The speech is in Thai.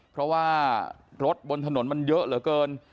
เพราะว่ารถบนถนนมันเยอะเหลือเกิน